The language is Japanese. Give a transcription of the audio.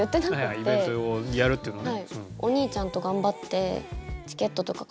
イベントをやるっていうのをね。